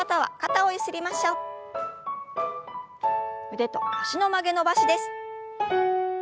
腕と脚の曲げ伸ばしです。